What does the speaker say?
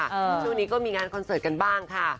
ช่วงนี้ก็มีงานคอนเสิร์ตกันบ้างค่ะ